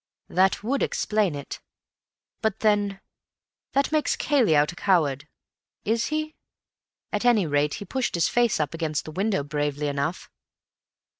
That would explain it, but then that makes Cayley out a coward. Is he? At any rate he pushed his face up against the window bravely enough.